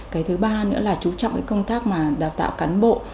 cái thứ ba nữa là chú trọng cái công tác mà đào tạo cán bộ